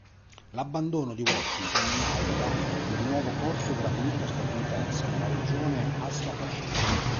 L'abbandono di Washington inaugura il nuovo corso della politica statunitense nella regione Asia-Pacifico.